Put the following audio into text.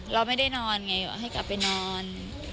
เราไม่ได้นอนไงให้กลับไปนอน